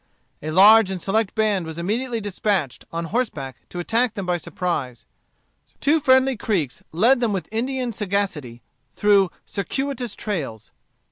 A large and select band was immediately dispatched, on horseback, to attack them by surprise. Two friendly Creeks led them with Indian sagacity through circuitous trails.